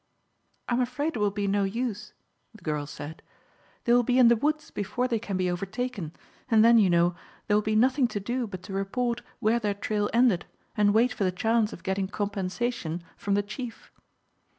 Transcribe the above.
"I am afraid it will be no use," the girl said; "they will be in the woods before they can be overtaken, and then, you know, there will be nothing to do but to report where their trail ended and wait for the chance of getting compensation from the chief."